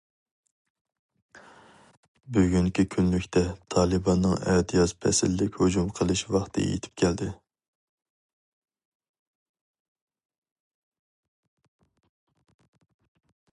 بۈگۈنكى كۈنلۈكتە تالىباننىڭ ئەتىياز پەسىللىك ھۇجۇم قىلىش ۋاقتى يېتىپ كەلدى.